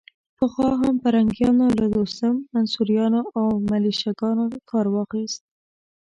پخوا هم پرنګیانو له دوستم، منصوریانو او ملیشه ګانو کار واخيست.